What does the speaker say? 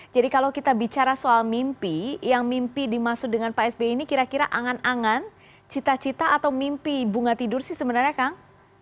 jadi kalau kita bicara soal mimpi yang mimpi dimasukkan dengan pak sbi ini kira kira angan angan cita cita atau mimpi bunga tidur sih sebenarnya kang